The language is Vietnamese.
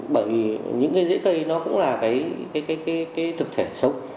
bởi vì những cái dễ cây nó cũng là cái thực thể sống